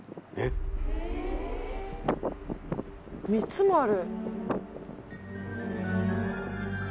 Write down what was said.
３つもある。